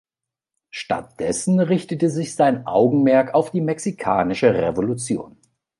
Stattdessen richtete sich sein Augenmerk auf die Mexikanische Revolution.